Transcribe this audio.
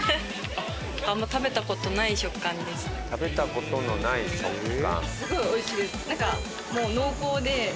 「食べた事のない食感」。